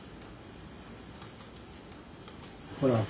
ほら。